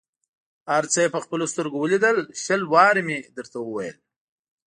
هر څه یې په خپلو سترګو ولیدل، شل وارې مې درته وویل.